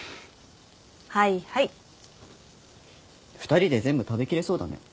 ２人で全部食べきれそうだね。